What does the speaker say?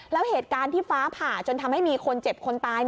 แล้วเหตุการณ์ที่ฟ้าผ่าจนทำให้มีคนเจ็บคนตาย